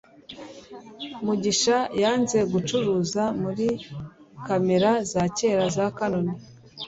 Mugisha yanze gucuruza muri kamera za kera za Canon